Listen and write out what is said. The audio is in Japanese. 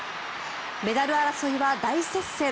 メダル争いは大接戦！